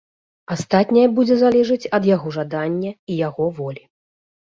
Астатняе будзе залежыць ад яго жадання і яго волі.